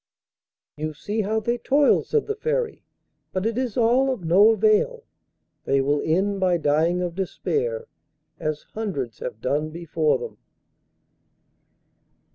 'You see how they toil,' said the Fairy; 'but it is all of no avail: they will end by dying of despair, as hundreds have done before them.